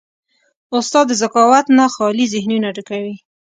استاد د ذکاوت نه خالي ذهنونه ډکوي.